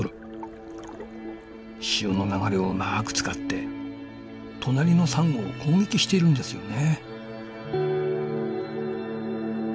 潮の流れをうまく使って隣のサンゴを攻撃しているんですよね。